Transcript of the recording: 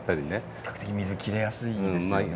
比較的水切れやすいんですよね。